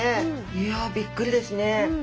いやびっくりですね。